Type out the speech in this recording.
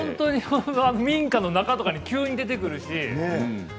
民家の中に急に出てくるし。